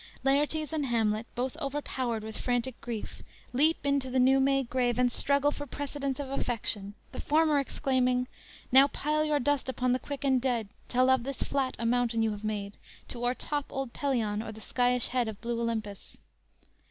"_ Laertes and Hamlet, both overpowered with frantic grief, leap into the new made grave and struggle for precedence of affection, the former exclaiming: _"Now pile your dust upon the quick and dead, Till of this flat a mountain you have made To o'ertop old Pelion or the skyish head Of blue Olympus!"